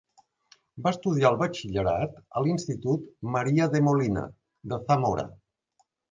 Va estudiar el batxillerat a l'Institut Maria de Molina de Zamora.